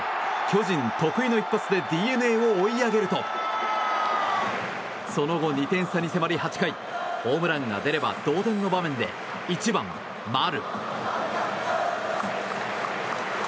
巨人得意の一発でＤｅＮＡを追い上げるとその後、２点差に迫り８回ホームランが出れば同点の場面で１番、丸。